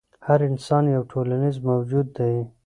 هر انسان یو ټولنیز موجود دی.